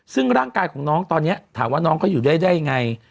ซึ่งร่างกายของน้องตอนนี้ถามว่าน้องเขาอยู่ได้ยังไง